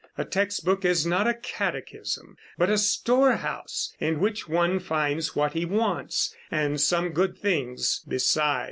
A text book is not a catechism but a storehouse, in which one finds what he wants, and some good things beside.